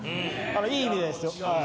いい意味でですよ。